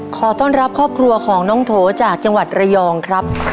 ขอต้อนรับครอบครัวของน้องโถจากจังหวัดระยองครับ